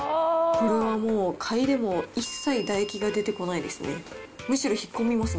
これはもう嗅いでも一切唾液が出てこないですね。